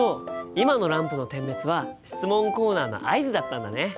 今のランプの点滅は質問コーナーの合図だったんだね。